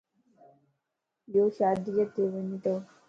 يو شاديءَ تَ وڃتو